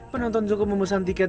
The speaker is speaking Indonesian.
penonton cukup memusantiket